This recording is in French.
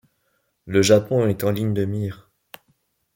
Le Japon est en ligne de mire...